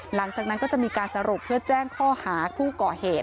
หลังจากนั้นก็จะมีการสรุปเพื่อแจ้งข้อหาผู้ก่อเหตุ